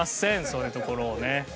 そういうところをね。